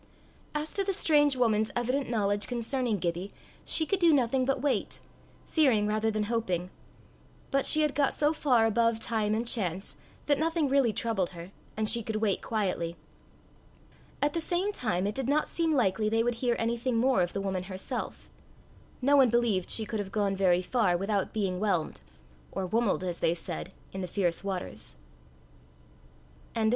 As to the strange woman's evident knowledge concerning Gibbie, she could do nothing but wait fearing rather than hoping; but she had got so far above time and chance, that nothing really troubled her, and she could wait quietly. At the same time it did not seem likely they would hear anything more of the woman herself: no one believed she could have gone very far without being whelmed, or whumled as they said, in the fierce waters. CHAPTER XXXVII. MR.